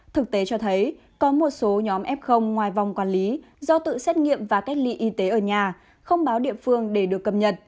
thực tế cho thấy có một số nhóm f ngoài vòng quản lý do tự xét nghiệm và cách ly y tế ở nhà không báo địa phương để được cập nhật